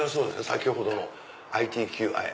先ほどの「ｉＴＱｉ」。